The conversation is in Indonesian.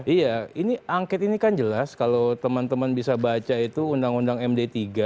iya ini angket ini kan jelas kalau teman teman bisa baca itu undang undang md tiga